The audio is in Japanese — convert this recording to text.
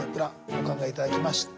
お考え頂きました。